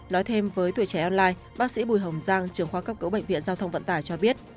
nói thêm với tuổi trẻ online bác sĩ bùi hồng giang trường khoa cấp cứu bệnh viện giao thông vận tải cho biết